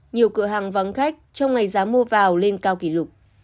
nhiều cửa hàng vắng khách trong ngày giá mua vào lên cao kỷ lục